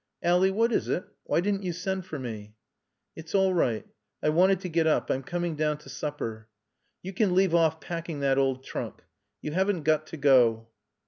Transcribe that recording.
"Ally, what is it? Why didn't you send for me?" "It's all right. I wanted to get up. I'm coming down to supper. You can leave off packing that old trunk. You haven't got to go."